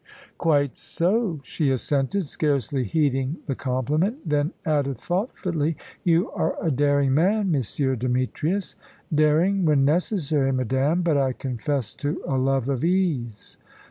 "Quite so," she assented, scarcely heeding the compliment; then added thoughtfully, "You are a daring man, Monsieur Demetrius." "Daring, when necessary, madame. But I confess to a love of ease."